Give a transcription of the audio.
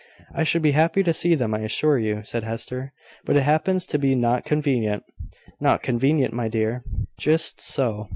"I should be happy to see them, I assure you," said Hester, "but it happens to be not convenient." "Not convenient, my dear!" "Just so.